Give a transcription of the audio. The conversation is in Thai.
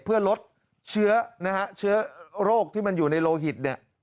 เพื่อลดเชื้อโรคที่มันอยู่ในโลหิต